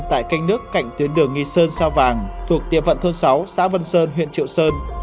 tại cây nước cạnh tuyến đường nghì sơn sao vàng thuộc tiệm vận thôn sáu xã vân sơn huyện triệu sơn